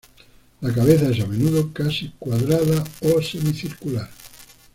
La cabeza es a menudo casi cuadrada o semicircular.